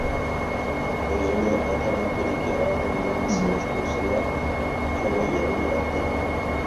ئۆزىنى ئەتراپىدىكى ئادەملەرگە سېلىشتۇرسىلا كۆڭلى يېرىم بولاتتى.